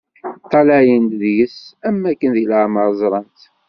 Ṭṭalayen-d deg-s am wakken deg leɛmer ẓran-tt.